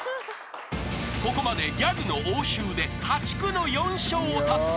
［ここまでギャグの応酬で破竹の４笑を達成］